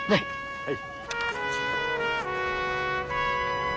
はい。